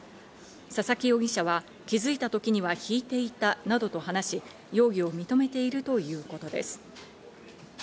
佐々木容疑者は、気づいた時にはひいていたなどと話し、容疑を認めているということです。